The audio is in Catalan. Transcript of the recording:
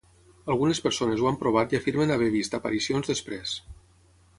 Algunes persones ho han provat i afirmen haver vist aparicions després.